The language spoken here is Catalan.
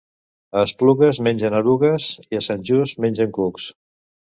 A Esplugues mengen erugues i a Sant Just mengen cucs.